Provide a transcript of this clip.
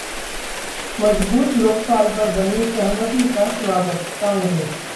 मजबूत लोकपाल पर बनी सहमति का स्वागत: कांग्रेस